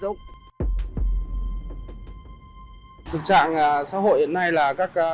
thực trạng xã hội hiện nay là các pháo nổ tự chế đã hoàn thiện đi bán và cho bạn bè sử dụng